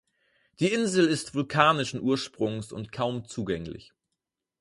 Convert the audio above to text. Die Insel ist vulkanischen Ursprungs und kaum zugänglich.